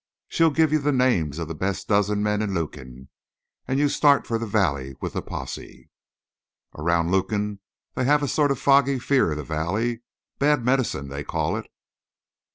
She'll give you the names of the best dozen men in Lukin, and you start for the valley with the posse. Around Lukin they have a sort of foggy fear of the valley, bad medicine, they call it.